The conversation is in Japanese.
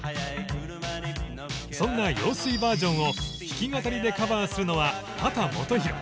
そんな陽水バージョンを弾き語りでカバーするのは秦基博。